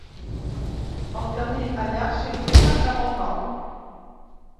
El camí, allà, s'inclina cap al nord.